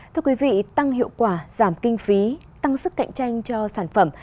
thưa quý vị tăng hiệu quả giảm kinh phí tăng sức cạnh tranh cho sản phẩm